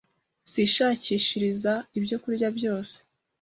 zishakishikiriza ibyo kurya byazo.”